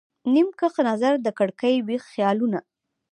نیم کښ نظر د کړکۍ، ویښ خیالونه